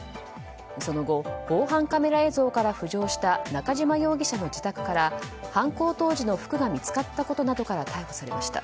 その後、防犯カメラ映像から浮上した中嶋容疑者の自宅から犯行当時の服が見つかったことなどから逮捕されました。